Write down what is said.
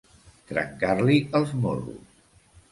Trencar-li els morros.